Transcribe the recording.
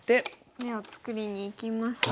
眼を作りにいきますが。